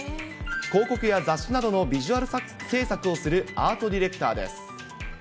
広告や雑誌などのヴィジュアル制作をするアートディレクターです。